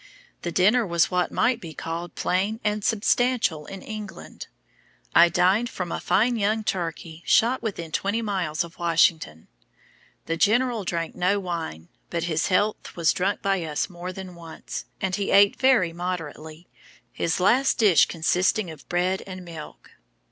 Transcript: The dinner was what might be called plain and substantial in England; I dined from a fine young turkey, shot within twenty miles of Washington. The General drank no wine, but his health was drunk by us more than once; and he ate very moderately; his last dish consisting of bread and milk."